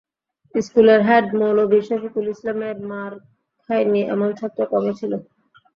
স্কুলের হেড মৌলভি শফিকুল ইসলামের মার খায়নি এমন ছাত্র কমই ছিল।